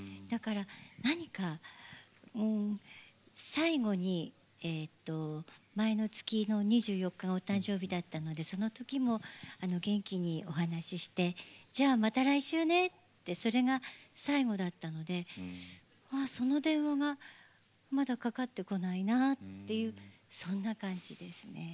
だから、何か最後に前の月の２４日がお誕生日だったのでそのときも元気でお話しして「じゃあ、また来週ね」ってそれが最後だったのでその電話がまだかかってこないなっていうそんな感じですね。